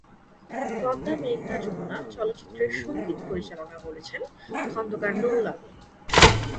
পদ্মা মেঘনা যমুনা চলচ্চিত্রের সঙ্গীত পরিচালনা করেছেন খন্দকার নুরুল আলম।